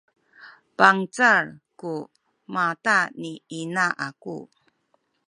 bangcal ku mata ni ina aku